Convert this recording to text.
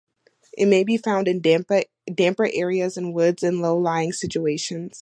It may be found in damper areas in woods in low-lying situations.